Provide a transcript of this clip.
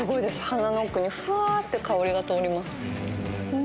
鼻の奥にふわって香りが通ります。